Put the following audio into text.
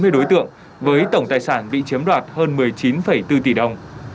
hai mươi đối tượng với tổng tài sản bị chiếm đoạt hơn một mươi chín bốn tỷ đồng